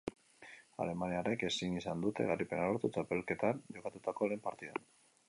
Alemaniarrek ezin izan dute garaipena lortu txapelketan jokatutako lehen partidan.